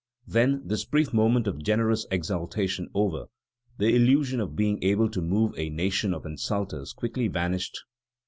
Then, this brief moment of generous exaltation over, the illusion of being able to move a nation of insulters quickly vanished.